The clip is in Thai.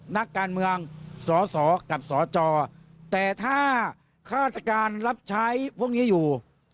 นักการเมืองสสกับสจแต่ถ้าข้าราชการรับใช้พวกนี้อยู่